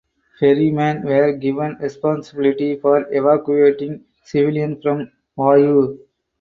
Perriman were given responsibility for evacuating civilians from Wau.